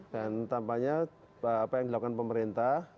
dan tampaknya apa yang dilakukan pemerintah